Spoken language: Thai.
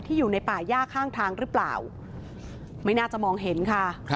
อยู่ในป่าย่าข้างทางหรือเปล่าไม่น่าจะมองเห็นค่ะ